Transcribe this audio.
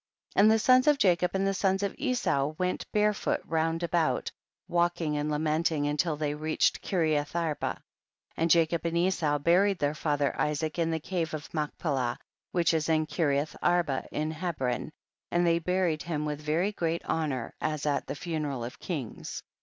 12. And the sons of Jacob and the sons of Esau went barefooted round about, walking and lamenting until they reached Kireath arba. 13. And Jacob and Esau buried their father Isaac in the cave of Mach pelah, which is in Kireath arba in Hebron, and they buried him with very great honor, as at the funeral of kings.